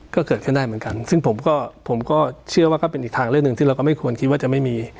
ก็เกิดขึ้นได้เหมือนกันซึ่งผมก็ผมก็เชื่อว่าก็เป็นอีกทางเรื่องหนึ่งที่เราก็ไม่ควรคิดว่าจะไม่มี